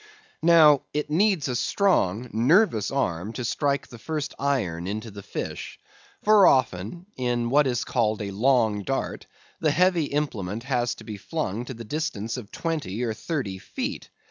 Now it needs a strong, nervous arm to strike the first iron into the fish; for often, in what is called a long dart, the heavy implement has to be flung to the distance of twenty or thirty feet.